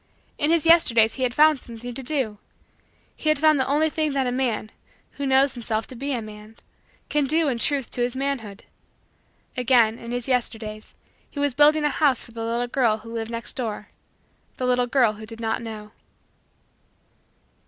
In his Yesterdays he had found something to do. He had found the only thing that a man, who knows himself to be a man, can do in truth to his manhood. Again, in his Yesterdays, he was building a house for the little girl who lived next door the little girl who did not know.